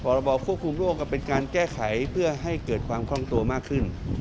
ระบอบควบคุมโรคก็เป็นการแก้ไขเพื่อให้เกิดความคล่องตัวมากขึ้น